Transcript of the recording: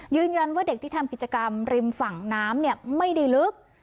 ยืนยันว่าเด็กที่ทำกิจกรรมริมฝั่งน้ำไม่ได้ลึก